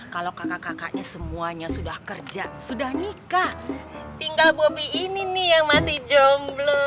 kalau kakak kakaknya semuanya sudah kerja sudah nikah tinggal bobi ini nih yang masih jomblo